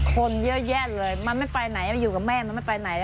คนเยอะแยะเลยมันไม่ไปไหนมันอยู่กับแม่มันไม่ไปไหน